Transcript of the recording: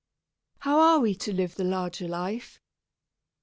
How are we to live the larger life?